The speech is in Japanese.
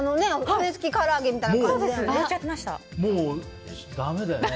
骨付きから揚げみたいな感じだよね。